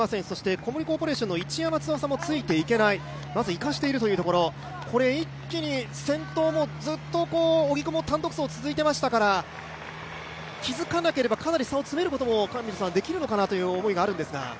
小森コーポレーションの市山翼もついていけない、まず行かしているというところ、一気に先頭もずっと荻久保の単独走が続いていましたから気づかなければかなり差を詰めることもできるのかなと思うんですが。